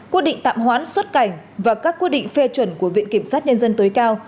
quy định tạm hoán xuất cảnh và các quy định phê chuẩn của viện kiểm sát nhân dân tối cao